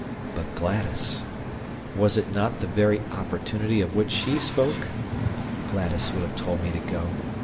But Gladys was it not the very opportunity of which she spoke? Gladys would have told me to go.